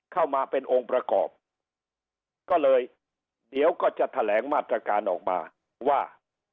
เข้ามาเป็นองค์ประกอบก็เลยเดี๋ยวก็จะแถลงมาตรการออกมาว่า